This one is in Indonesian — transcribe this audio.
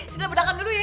sita berdakan dulu ya